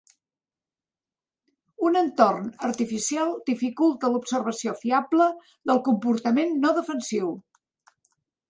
Un entorn artificial dificulta l'observació fiable del comportament no defensiu.